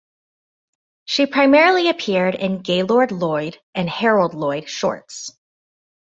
She primarily appeared in Gaylord Lloyd and Harold Lloyd shorts.